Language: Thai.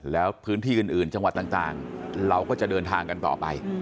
แล้วพื้นที่อื่นจังหวัดต่างเราก็จะเดินทางกันต่อไป